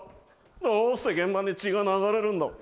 どうして現場に血が流れるんだ？